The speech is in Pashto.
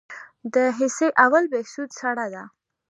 د حصه اول بهسود سړه ده